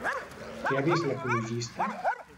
Què ha vist l'apologista?